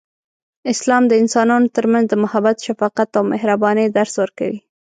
اسلام د انسانانو ترمنځ د محبت، شفقت، او مهربانۍ درس ورکوي.